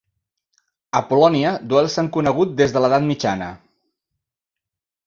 A Polònia duels s'han conegut des de l'edat mitjana.